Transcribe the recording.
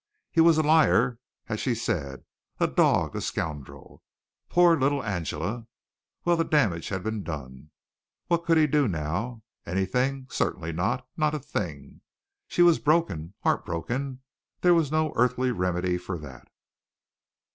He was a liar, as she said, a dog, a scoundrel. Poor little Angela! Well, the damage had been done. What could he do now? Anything? Certainly not. Not a thing. She was broken heart broken. There was no earthly remedy for that.